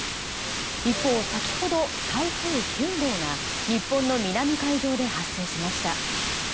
一方、先ほど台風９号が日本の南海上で発生しました。